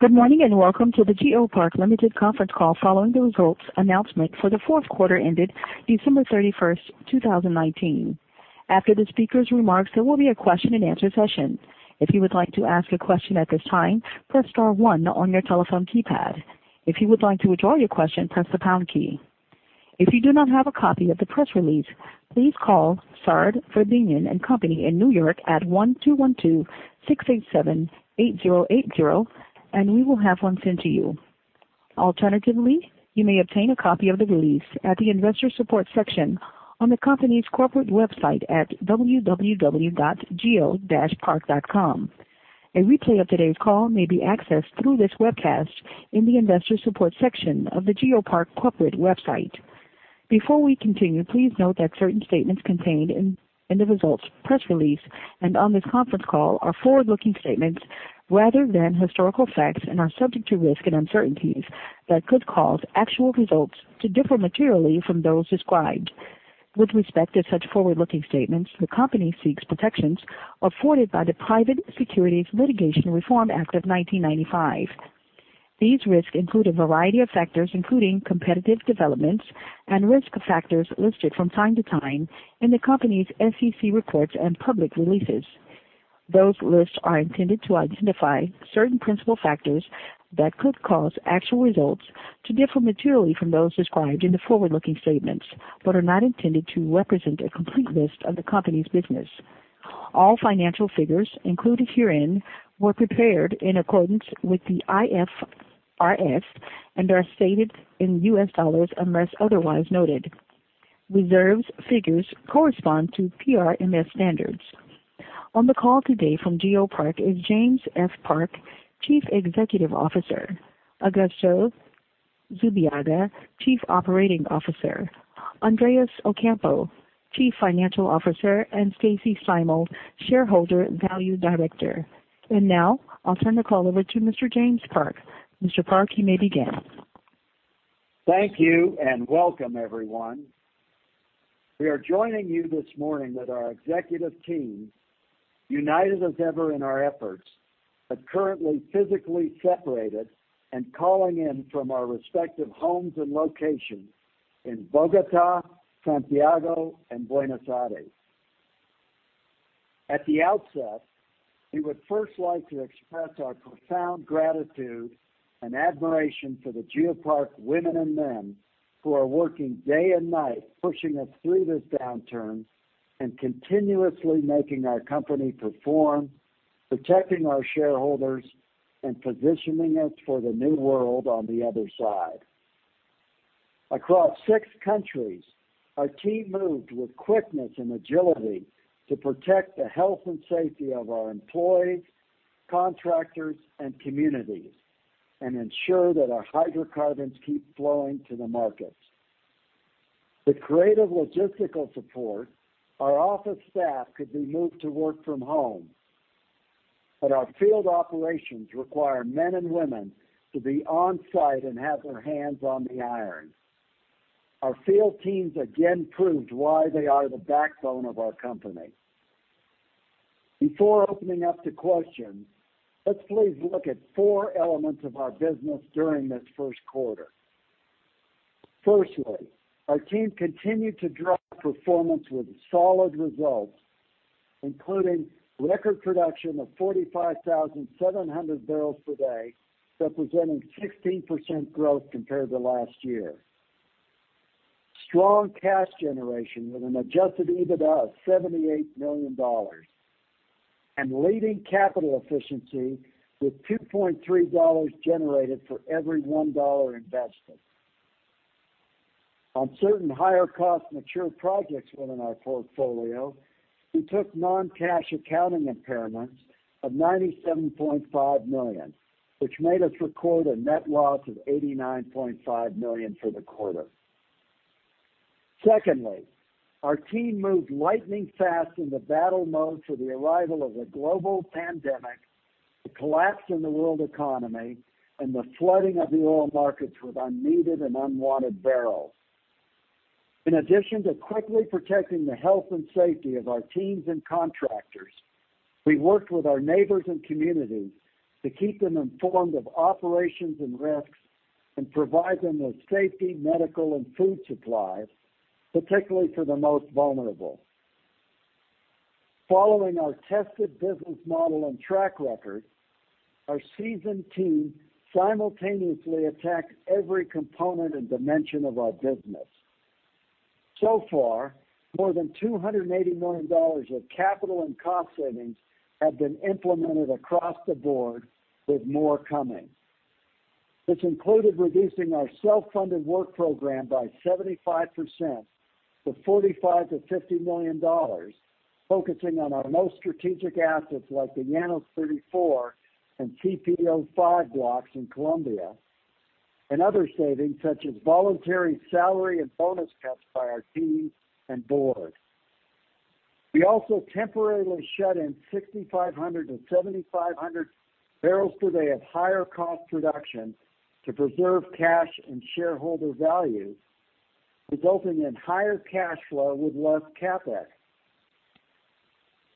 Good morning, and welcome to the GeoPark Limited conference call following the results announcement for the fourth quarter ended December 31st, 2019. After the speaker's remarks, there will be a question and answer session. If you would like to ask a question at this time, press star one on your telephone keypad. If you would like to withdraw your question, press the pound key. If you do not have a copy of the press release, please call Sard Verbinnen & Co. in New York at 1-212-687-8080, and we will have one sent to you. Alternatively, you may obtain a copy of the release at the investor support section on the company's corporate website at www.geopark.com. A replay of today's call may be accessed through this webcast in the investor support section of the GeoPark corporate website. Before we continue, please note that certain statements contained in the results press release and on this conference call are forward-looking statements rather than historical facts and are subject to risk and uncertainties that could cause actual results to differ materially from those described. With respect to such forward-looking statements, the company seeks protections afforded by the Private Securities Litigation Reform Act of 1995. These risks include a variety of factors, including competitive developments and risk factors listed from time to time in the company's SEC reports and public releases. Those lists are intended to identify certain principal factors that could cause actual results to differ materially from those described in the forward-looking statements but are not intended to represent a complete list of the company's business. All financial figures included herein were prepared in accordance with the IFRS and are stated in U.S. dollars unless otherwise noted. Reserves figures correspond to PRMS standards. On the call today from GeoPark is James F. Park, Chief Executive Officer, Augusto Zubillaga, Chief Operating Officer, Andres Ocampo, Chief Financial Officer, and Stacy Steimel, Shareholder Value Director. Now I'll turn the call over to Mr. James Park. Mr. Park, you may begin. Thank you, and welcome, everyone. We are joining you this morning with our executive team, united as ever in our efforts, but currently physically separated and calling in from our respective homes and locations in Bogotá, Santiago, and Buenos Aires. At the outset, we would first like to express our profound gratitude and admiration for the GeoPark women and men who are working day and night, pushing us through this downturn and continuously making our company perform, protecting our shareholders, and positioning us for the new world on the other side. Across six countries, our team moved with quickness and agility to protect the health and safety of our employees, contractors, and communities and ensure that our hydrocarbons keep flowing to the markets. With creative logistical support, our office staff could be moved to work from home. Our field operations require men and women to be on-site and have their hands on the iron. Our field teams again proved why they are the backbone of our company. Before opening up to questions, let's please look at four elements of our business during this first quarter. Firstly, our team continued to drive performance with solid results, including record production of 45,700 barrels per day, representing 16% growth compared to last year. Strong cash generation with an Adjusted EBITDA of $78 million and leading capital efficiency with $2.30 generated for every $1 invested. On certain higher-cost mature projects within our portfolio, we took non-cash accounting impairments of $97.5 million, which made us record a net loss of $89.5 million for the quarter. Secondly, our team moved lightning fast into battle mode for the arrival of a global pandemic, the collapse in the world economy, and the flooding of the oil markets with unneeded and unwanted barrels. In addition to quickly protecting the health and safety of our teams and contractors, we worked with our neighbors and communities to keep them informed of operations and risks and provide them with safety, medical, and food supplies, particularly for the most vulnerable. Following our tested business model and track record, our seasoned team simultaneously attacked every component and dimension of our business. So far, more than $280 million of capital and cost savings have been implemented across the board, with more coming. This included reducing our self-funded work program by 75% to $45 million-$50 million, focusing on our most strategic assets like the Llanos 34 and CPO-5 blocks in Colombia and other savings, such as voluntary salary and bonus cuts by our team and board. We also temporarily shut in 6,500-7,500 barrels per day at higher cost production to preserve cash and shareholder value. Resulting in higher cash flow with less CapEx.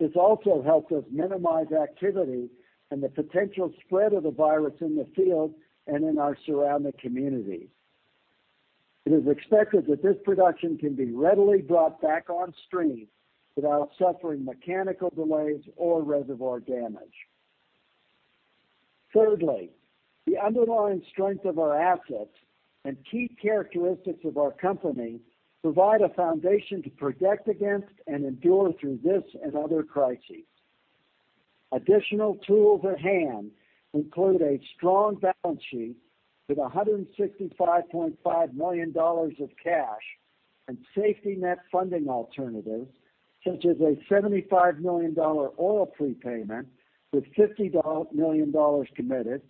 This also helps us minimize activity and the potential spread of the virus in the field and in our surrounding communities. It is expected that this production can be readily brought back on stream without suffering mechanical delays or reservoir damage. Thirdly, the underlying strength of our assets and key characteristics of our company provide a foundation to protect against and endure through this and other crises. Additional tools at hand include a strong balance sheet with $165.5 million of cash and safety net funding alternatives, such as a $75 million oil prepayment with $50 million committed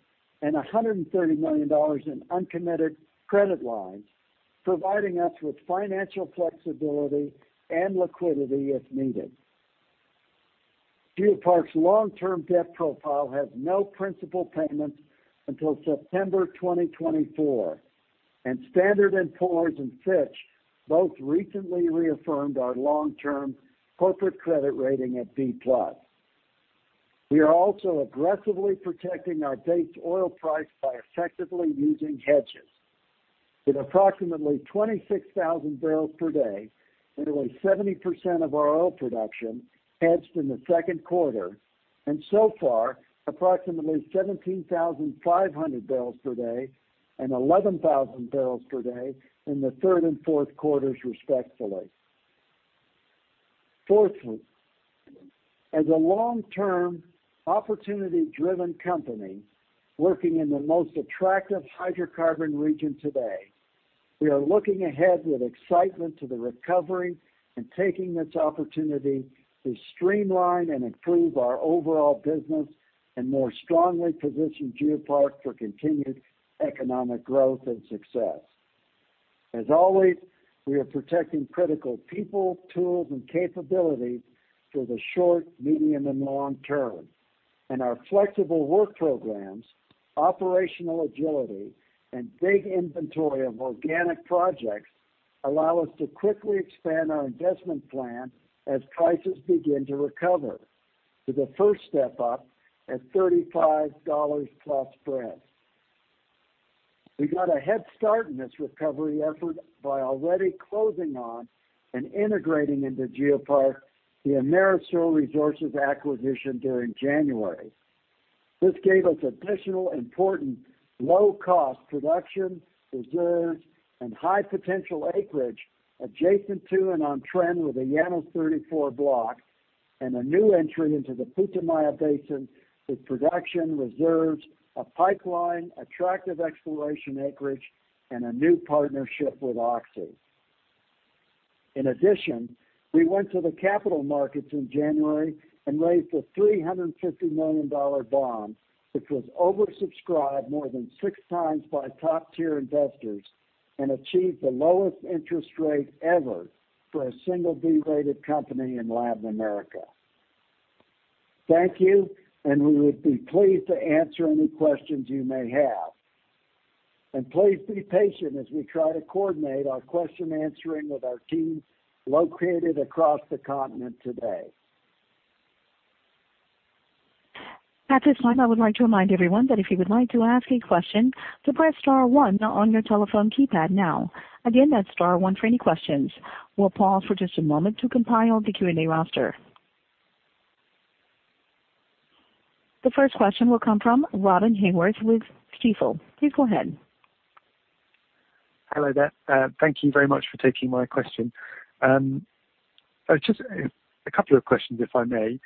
and $130 million in uncommitted credit lines, providing us with financial flexibility and liquidity if needed. GeoPark's long-term debt profile has no principal payments until September 2024, and Standard & Poor's and Fitch both recently reaffirmed our long-term corporate credit rating at B-plus. We are also aggressively protecting our base oil price by effectively using hedges. With approximately 26,000 barrels per day, nearly 70% of our oil production hedged in the second quarter, and so far, approximately 17,500 barrels per day and 11,000 barrels per day in the third and fourth quarters respectively. Fourthly, as a long-term, opportunity-driven company working in the most attractive hydrocarbon region today, we are looking ahead with excitement to the recovery and taking this opportunity to streamline and improve our overall business, and more strongly position GeoPark for continued economic growth and success. As always, we are protecting critical people, tools, and capabilities for the short, medium, and long term. Our flexible work programs, operational agility, and big inventory of organic projects allow us to quickly expand our investment plan as prices begin to recover, with a first step up at $35 plus Brent. We got a head start in this recovery effort by already closing on and integrating into GeoPark the Amerisur Resources acquisition during January. This gave us additional important low-cost production, reserves, and high-potential acreage adjacent to and on trend with the Llanos 34 block, and a new entry into the Putumayo Basin, with production reserves, a pipeline, attractive exploration acreage, and a new partnership with Oxy. We went to the capital markets in January and raised a $350 million bond, which was oversubscribed more than six times by top-tier investors and achieved the lowest interest rate ever for a single B-rated company in Latin America. Thank you. We would be pleased to answer any questions you may have. Please be patient as we try to coordinate our question answering with our teams located across the continent today. At this time, I would like to remind everyone that if you would like to ask a question, to press star one on your telephone keypad now. Again, that's star one for any questions. We'll pause for just a moment to compile the Q&A roster. The first question will come from Robin Haworth with Stifel. Please go ahead. Hello there. Thank you very much for taking my question. Just a couple of questions, if I may.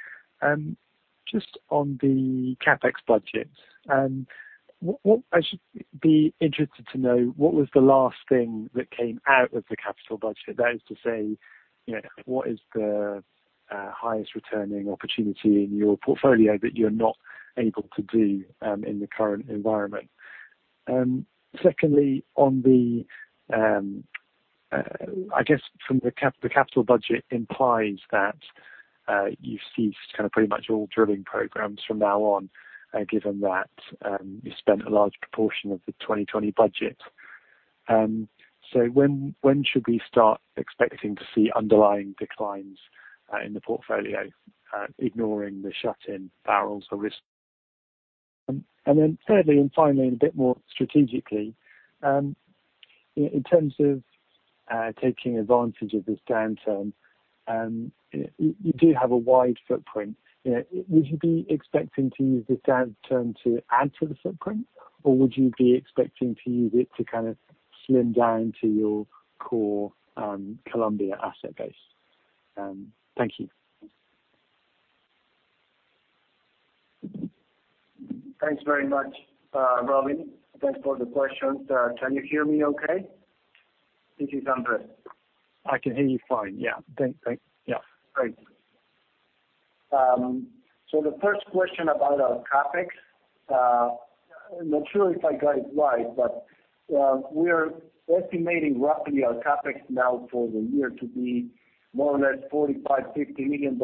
Just on the CapEx budget, I should be interested to know what was the last thing that came out of the capital budget. That is to say, what is the highest returning opportunity in your portfolio that you're not able to do in the current environment? Secondly, I guess from the capital budget implies that you've ceased pretty much all drilling programs from now on, given that you spent a large proportion of the 2020 budget. When should we start expecting to see underlying declines in the portfolio? Ignoring the shut-in barrels or risk. Thirdly and finally, and a bit more strategically, in terms of taking advantage of this downturn, you do have a wide footprint. Would you be expecting to use this downturn to add to the footprint, or would you be expecting to use it to slim down to your core Colombia asset base? Thank you. Thanks very much, Robin. Thanks for the questions. Can you hear me okay? This is Andres. I can hear you fine. Yeah. Thanks. Yeah. Great. The first question about our CapEx. I'm not sure if I got it right, but we're estimating roughly our CapEx now for the year to be more or less $45, $50 million.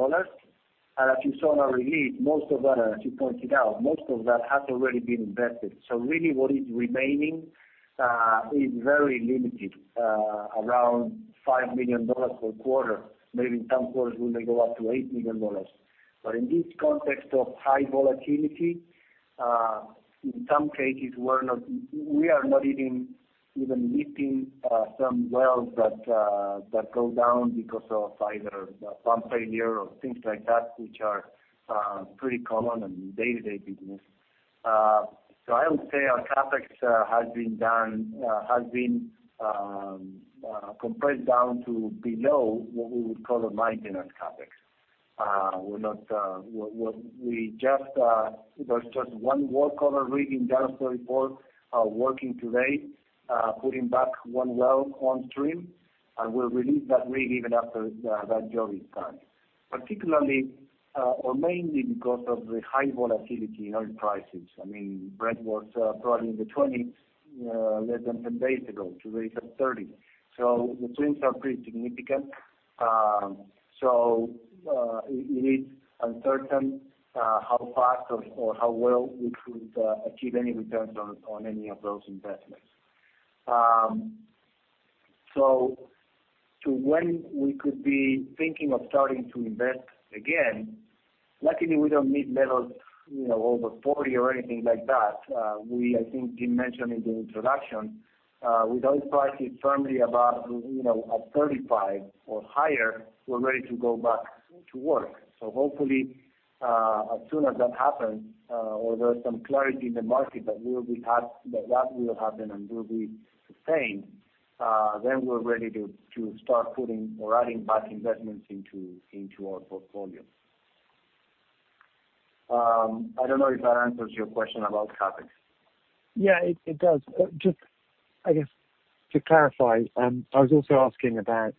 As you saw in our release, as you pointed out, most of that has already been invested. Really what is remaining is very limited, around $5 million per quarter. Maybe in some quarters we may go up to $8 million. In this context of high volatility, in some cases, we are not even lifting some wells that go down because of either pump failure or things like that, which are pretty common in day-to-day business. I would say our CapEx has been compressed down to below what we would call a maintenance CapEx. There's just one workover rig in Jacana field working today, putting back one well on stream, and we'll release that rig even after that job is done. Particularly, or mainly because of the high volatility in oil prices. Brent was probably in the 20s less than 10 days ago. Today it's at 30. The swings are pretty significant. It is uncertain how fast or how well we could achieve any returns on any of those investments. To when we could be thinking of starting to invest again, luckily, we don't need levels over $40 or anything like that. I think Jim mentioned in the introduction, with oil prices firmly above $35 or higher, we're ready to go back to work. Hopefully, as soon as that happens, or there's some clarity in the market that that will happen and will be sustained, then we're ready to start putting or adding back investments into our portfolio. I don't know if that answers your question about CapEx? Yeah, it does. Just, I guess, to clarify, I was also asking about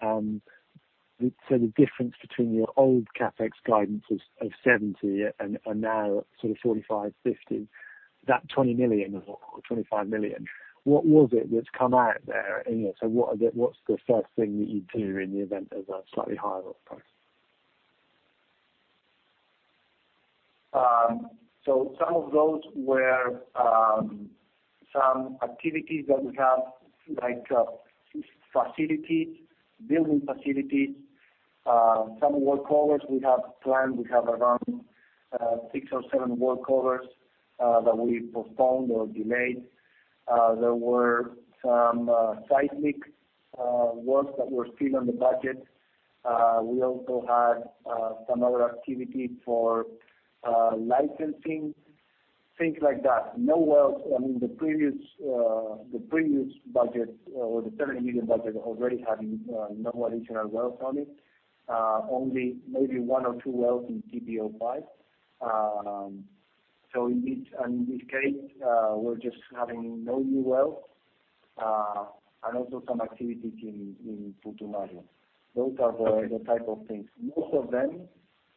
the difference between your old CapEx guidance of $70 and now sort of $45, $50. That $20 million or $25 million, what was it that's come out of there? What's the first thing that you'd do in the event of a slightly higher oil price? Some of those were some activities that we have, like facilities, building facilities, some workovers we have planned. We have around six or seven workovers that we postponed or delayed. There were some seismic works that were still in the budget. We also had some other activity for licensing, things like that. The previous budget, or the $30 million budget, already having no additional wells on it. Only maybe one or two wells in CPO-5. In this case, we're just having no new wells, and also some activities in Putumayo. [inaudible] the type of things. Most of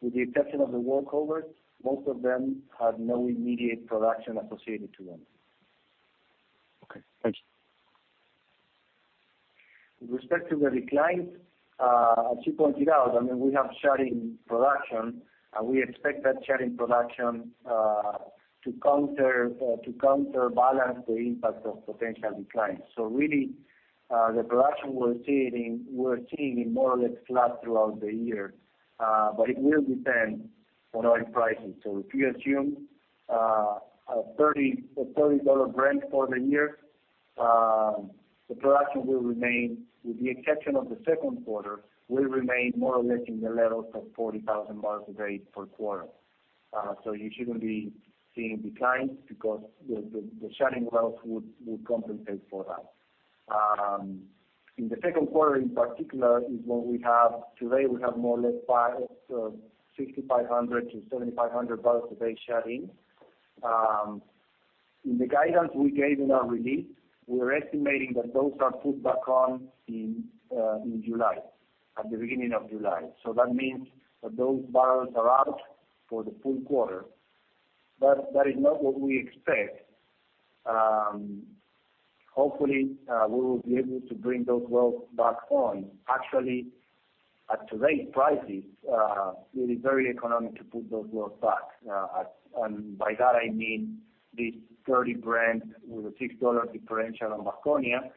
them, with the exception of the workovers, most of them have no immediate production associated to them. Okay. Thank you. With respect to the declines, as you pointed out, we have shut in production, and we expect that shut in production to counterbalance the impact of potential declines. Really, the production we're seeing is more or less flat throughout the year. It will depend on oil prices. If you assume a $30 Brent for the year, the production, with the exception of the second quarter, will remain more or less in the levels of 40,000 barrels a day per quarter. You shouldn't be seeing declines because the shut-in wells would compensate for that. In the second quarter in particular, today we have more or less 6,500 barrels a day-7,500 barrels a day shut in. In the guidance we gave in our release, we are estimating that those are put back on in July, at the beginning of July. That means that those barrels are out for the full quarter. That is not what we expect. Hopefully, we will be able to bring those wells back on. Actually, at today's prices, it is very economic to put those wells back. By that, I mean this 30 Brent with a $6 differential on Vasconia.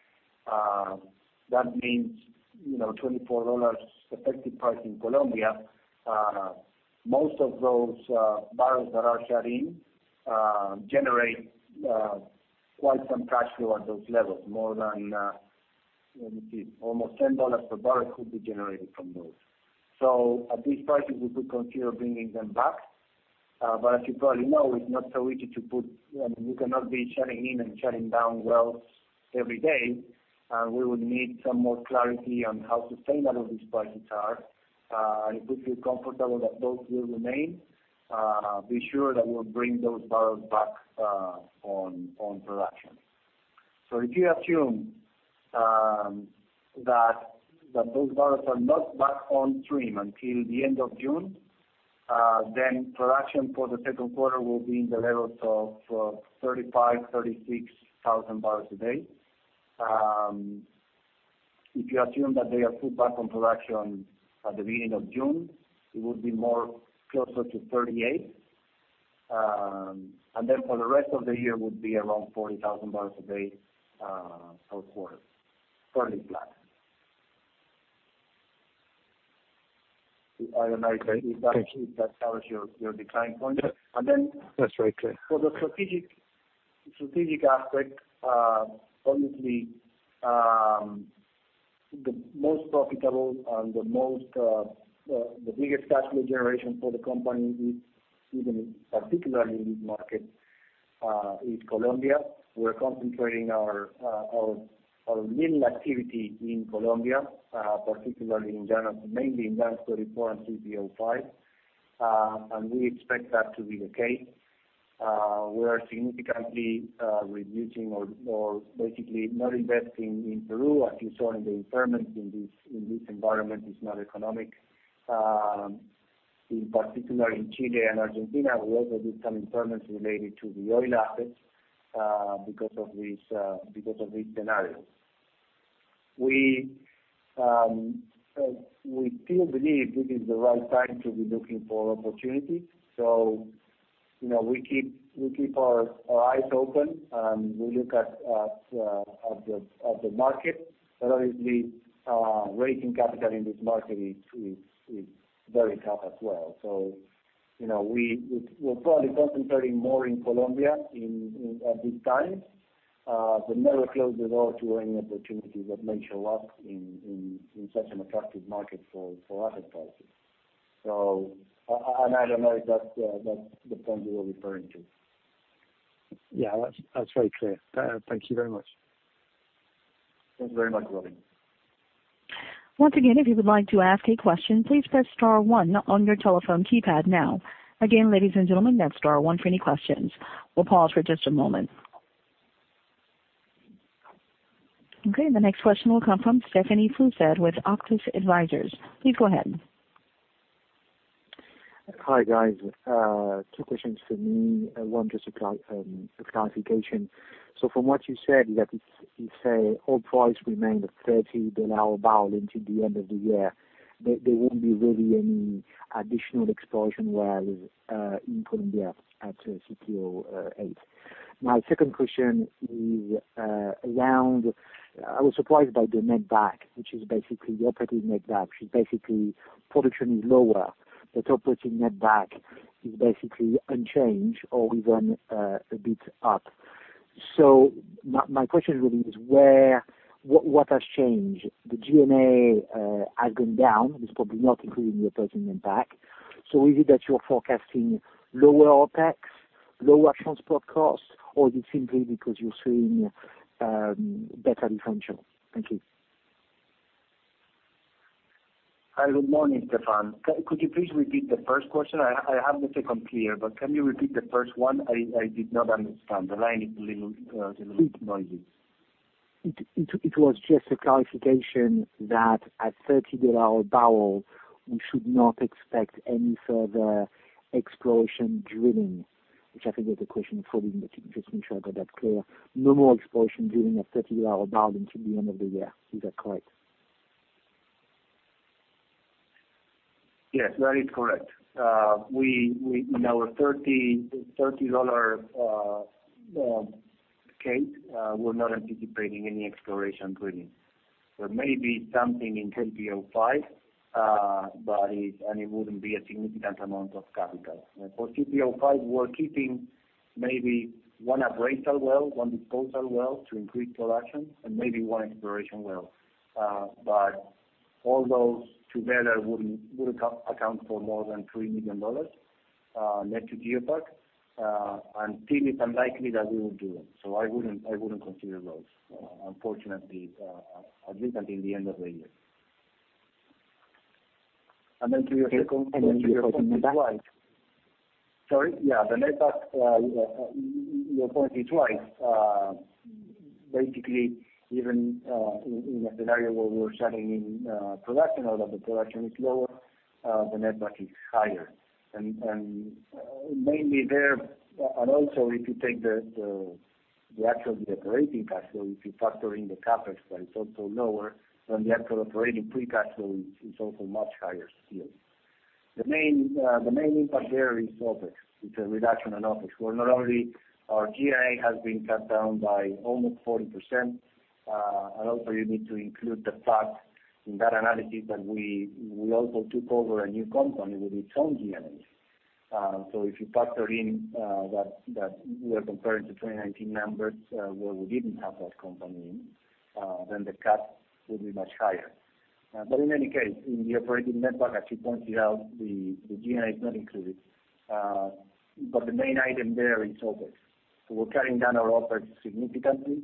That means $24 effective price in Colombia. Most of those barrels that are shut in generate quite some cash flow at those levels. More than, let me see, almost $10 per barrel could be generated from those. At this price, we could consider bringing them back. As you probably know, it's not so easy. We cannot be shutting in and shutting down wells every day. We would need some more clarity on how sustainable these prices are. If we feel comfortable that those will remain, be sure that we'll bring those barrels back on production. If you assume that those barrels are not back on stream until the end of June, then production for the second quarter will be in the levels of 35,000, 36,000 barrels a day. If you assume that they are put back on production at the beginning of June, it would be more closer to 38. Then for the rest of the year, would be around 40,000 barrels a day, fourth quarter. Slightly flat. I don't know if that covers your decline point. That's very clear. For the strategic aspect, obviously, the most profitable and the biggest cash flow generation for the company, even particularly in this market, is Colombia. We're concentrating our little activity in Colombia, particularly, mainly in Llanos 34 and CPO-5. We expect that to be the case. We are significantly reducing or basically not investing in Peru. As you saw in the impairment in this environment is not economic. In particular, in Chile and Argentina, we also did some impairments related to the oil assets because of this scenario. We still believe this is the right time to be looking for opportunities. We keep our eyes open, and we look at the market. Obviously, raising capital in this market is very tough as well. We're probably concentrating more in Colombia at this time. Never close the door to any opportunity that may show up in such an attractive market for asset prices. I don't know if that's the point you were referring to. Yeah. That's very clear. Thank you very much. Thank you very much, Robin. Once again, if you would like to ask a question, please press star one on your telephone keypad now. Again, ladies and gentlemen, that's star one for any questions. We'll pause for just a moment. Okay, the next question will come from Stephane Foucaud with Auctus Advisors. Please go ahead. Hi, guys. Two questions from me. One, just a clarification. From what you said, that if oil price remains at $30 a barrel until the end of the year, there won't be really any additional exploration wells in Colombia at CPO-8. My second question is around, I was surprised by the netback, which is basically the operating netback, which basically production is lower, but operating netback is basically unchanged or even a bit up. My question really is, what has changed? The G&A has gone down. It's probably not improving your netback. Is it that you're forecasting lower OpEx, lower transport costs, or is it simply because you're seeing better differential? Thank you. Hi. Good morning, Stephane. Could you please repeat the first question? I have the second clear, but can you repeat the first one? I did not understand. The line is a little noisy. It was just a clarification that at $30 a barrel, we should not expect any further exploration drilling, which I think was the question for you, but just make sure I got that clear. No more exploration drilling at $30 a barrel until the end of the year. Is that correct? Yes, that is correct. In our $30 case, we're not anticipating any exploration drilling. There may be something in CPO-5, and it wouldn't be a significant amount of capital. For CPO-5, we're keeping maybe one appraisal well, one disposal well to increase production, and maybe one exploration well. All those together wouldn't account for more than $3 million net to GeoPark. Still, it's unlikely that we would do them. I wouldn't consider those, unfortunately, at least until the end of the year. To your second point, you're right. To your netback. Sorry. Yeah, the netback, your point is right. Basically, even in a scenario where we're shutting in production or that the production is lower, the netback is higher. Also, if you take the actual, the operating cash flow, if you factor in the CapEx, where it's also lower than the actual operating free cash flow, it's also much higher still. The main impact there is OpEx. It's a reduction in OpEx, where not only our G&A has been cut down by almost 40%, also you need to include the fact in that analysis that we also took over a new company with its own G&A. If you factor in that we are comparing to 2019 numbers, where we didn't have that company in, the cut would be much higher. In any case, in the operating netback, as you pointed out, the G&A is not included. The main item there is OpEx. We're cutting down our OpEx significantly.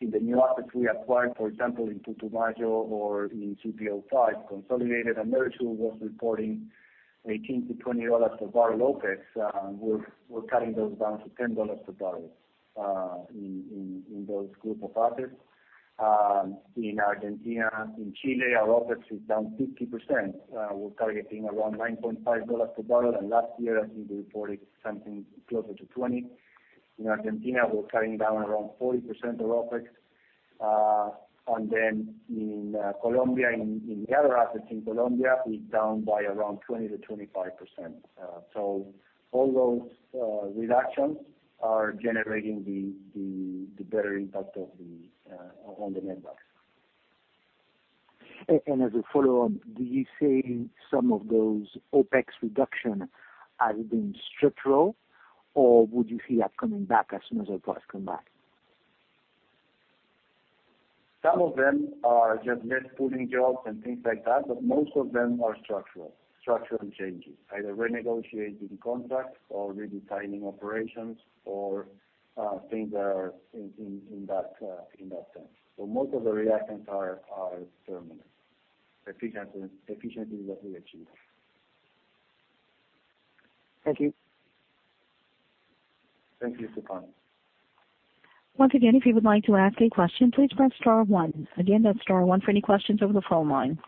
In the new assets we acquired, for example, in Putumayo or in CPO-5, consolidated, Amerisur was reporting $18-$20 per barrel OpEx. We're cutting those down to $10 per barrel in those group of assets. In Argentina, in Chile, our OpEx is down 50%. We're targeting around $9.50 per barrel. Last year, I think we reported something closer to $20. In Argentina, we're cutting down around 40% of OpEx. In Colombia, in the other assets in Colombia, it's down by around 20%-25%. All those reductions are generating the better impact on the netbacks. As a follow-on, do you say some of those OpEx reductions have been structural, or would you see that coming back as soon as the price comes back? Some of them are just less pulling jobs and things like that. Most of them are structural changes, either renegotiating contracts or redesigning operations or things that are in that sense. Most of the reactions are permanent. Efficiency is what we achieve. Thank you. Thank you, Stephane. Once again, if you would like to ask a question, please press star one. Again, that's star one for any questions over the phone line.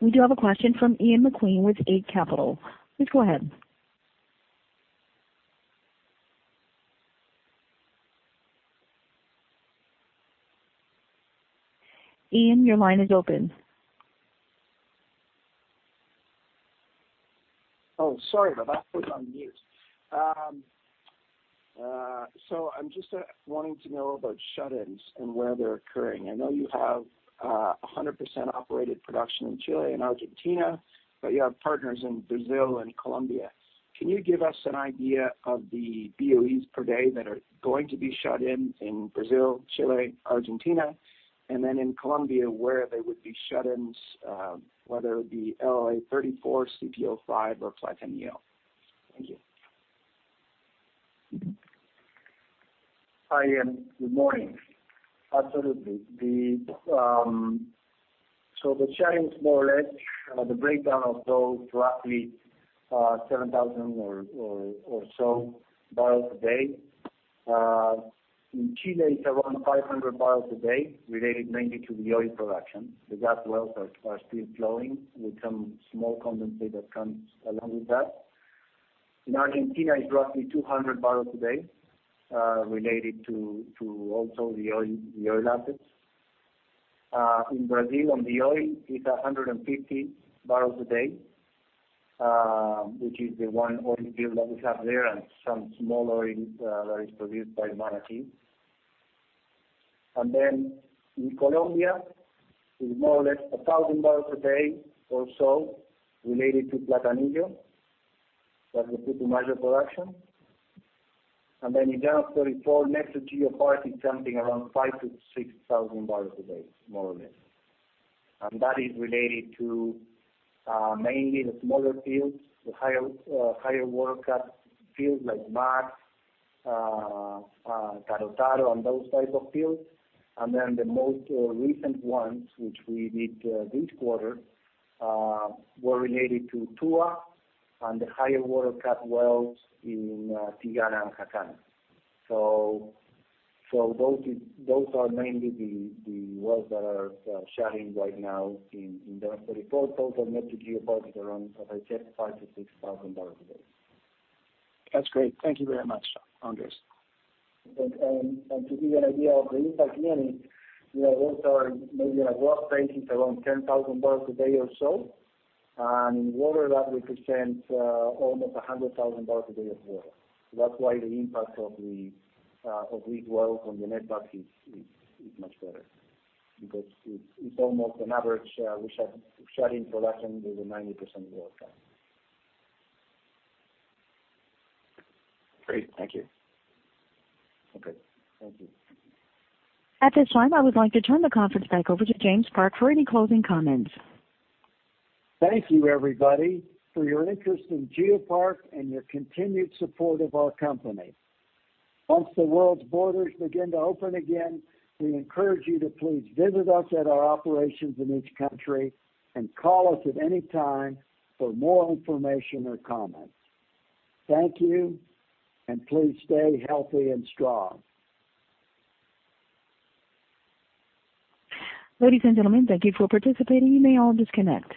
We do have a question from Ian Macqueen with Eight Capital. Please go ahead. Ian, your line is open. Oh, sorry about that. Was on mute. I'm just wanting to know about shut-ins and where they're occurring. I know you have 100% operated production in Chile and Argentina, but you have partners in Brazil and Colombia. Can you give us an idea of the BOEs per day that are going to be shut in Brazil, Chile, Argentina, and then in Colombia, where there would be shut-ins, whether it be Llanos 34, CPO-5, or Platanillo? Thank you. Hi, Ian. Good morning. Absolutely. The shut-ins, more or less, the breakdown of those roughly 7,000 or so barrels a day. In Chile, it's around 500 barrels a day related mainly to the oil production. The gas wells are still flowing with some small condensate that comes along with that. In Argentina, it's roughly 200 barrels a day, related to also the oil assets. In Brazil, on the oil, it's 150 barrels a day, which is the one oil field that we have there and some small oil that is produced by Manati. In Colombia, it's more or less 1,000 barrels a day or so related to Platanillo. That's the typical major production. In LLA-34, net to GeoPark, it's something around 5,000 to 6,000 barrels a day, more or less. That is related to mainly the smaller fields, the higher water cut fields like Max, Taro, and those types of fields. Then the most recent ones, which we did this quarter, were related to Tua and the higher water cut wells in Tigana and Jacana. Those are mainly the wells that are shutting right now in LLA-34. Total net to GeoPark is around, as I said, 5,000-6,000 barrels a day. That's great. Thank you very much, Andres. To give you an idea of the impact, Ian, those are maybe on a worst case, it's around 10,000 barrels a day or so. In water, that represents almost 100,000 barrels a day of water. That's why the impact of these wells on the netbacks is much better because it's almost on average, we shut in production with a 90% water cut. Great. Thank you. Okay. Thank you. At this time, I would like to turn the conference back over to James Park for any closing comments. Thank you everybody for your interest in GeoPark and your continued support of our company. Once the world's borders begin to open again, we encourage you to please visit us at our operations in each country and call us at any time for more information or comments. Thank you, and please stay healthy and strong. Ladies and gentlemen, thank you for participating. You may all disconnect.